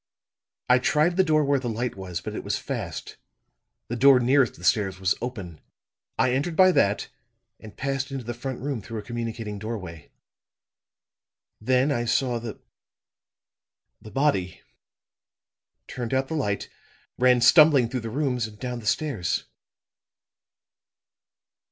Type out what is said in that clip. I tried the door where the light was, but it was fast; the door nearest the stairs was open; I entered by that, and passed into the front room through a communicating doorway. Then I saw the the body, turned out the light, ran stumbling through the rooms and down the stairs."